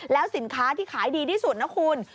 แล้วสินค้าที่ขายดีที่สุดนะคุณ